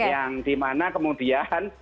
yang dimana kemudian